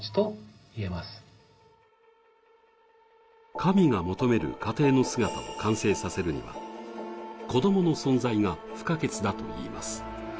神が求める家庭の姿を完成させるには、子供の存在が不可欠だといいます。